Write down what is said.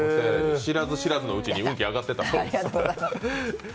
知らず知らずのうちに運気上がってたと。